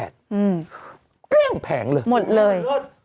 เกลี้ยงแผงเลยหมดเลย